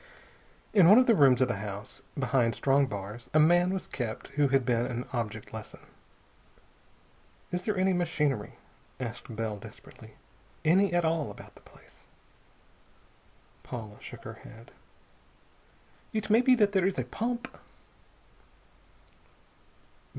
In one of the rooms of the house, behind strong bars, a man was kept who had been an object lesson.... "Is there any machinery?" asked Bell desperately. "Any at all about the place?" Paula shook her head. "It may be that there is a pump."